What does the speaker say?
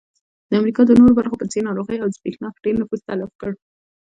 د امریکا د نورو برخو په څېر ناروغیو او زبېښاک ډېر نفوس تلف کړ.